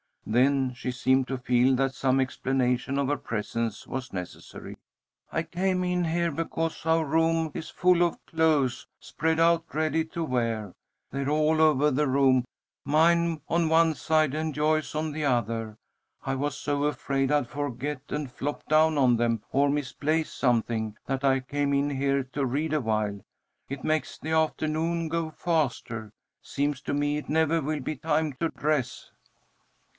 Then she seemed to feel that some explanation of her presence was necessary. "I came in here because our room is full of clothes, spread out ready to wear. They're all over the room, mine on one side and Joyce's on the other. I was so afraid I'd forget and flop down on them, or misplace something, that I came in here to read awhile. It makes the afternoon go faster. Seems to me it never will be time to dress."